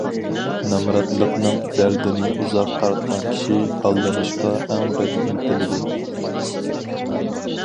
نامراتلىقنىڭ دەردىنى ئۇزاق تارتقان كىشى ھاللىنىشقا ئەڭ بەك ئىنتىلىدۇ.